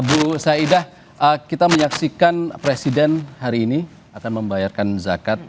bu saidah kita menyaksikan presiden hari ini akan membayarkan zakat